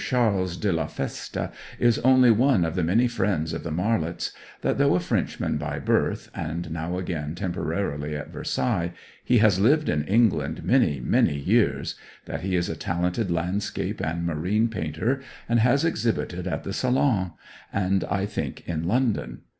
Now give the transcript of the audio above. Charles de la Feste is 'only one of the many friends of the Marlets'; that though a Frenchman by birth, and now again temporarily at Versailles, he has lived in England many many years; that he is a talented landscape and marine painter, and has exhibited at the Salon, and I think in London.